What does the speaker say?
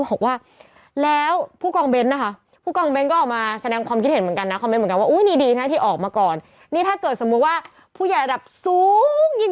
หรือ๑๙หรือ๑๙หรือ๑๙หรือ๑๙หรือ๑๙หรือ๑๙หรือ๑๙หรือ๑๙หรือ๑๙